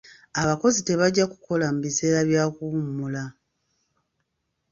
Abakozi tebajja kukola mu biseera by'okuwummula.